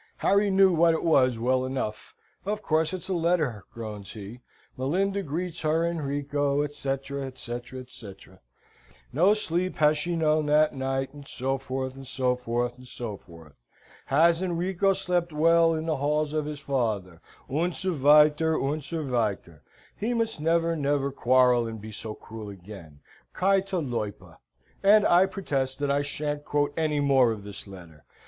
Harry knew what it was well enough. "Of course it's a letter," groans he. Molinda greets her Enrico, etc. etc. etc. No sleep has she known that night, and so forth, and so forth, and so forth. Has Enrico slept well in the halls of his fathers? und so weiter, und so weiter. He must never never quaril and be so cruel again. Kai ta loipa. And I protest I shan't quote any more of this letter.